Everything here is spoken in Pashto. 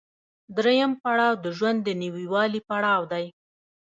درېیم پړاو د ژوند د نويوالي پړاو دی